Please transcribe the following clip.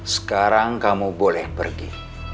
sekarang kamu boleh pergi